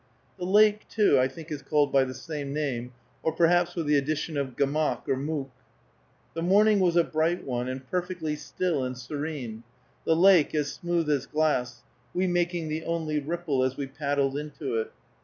The lake, too, I think, is called by the same name, or perhaps with the addition of gamoc or mooc. The morning was a bright one, and perfectly still and serene, the lake as smooth as glass, we making the only ripple as we paddled into it.